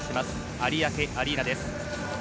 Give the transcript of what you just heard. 有明アリーナです。